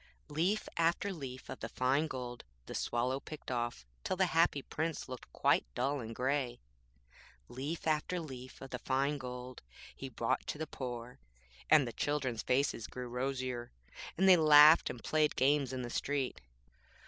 Leaf after leaf of the fine gold the Swallow picked off, till the Happy Prince looked quite dull and grey. Leaf after leaf of the fine gold he brought to the poor, and the children's faces grew rosier, and they laughed and played games in the street.